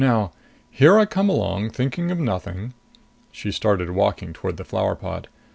Now here I come along, thinking of nothing." She started walking toward the flower pot.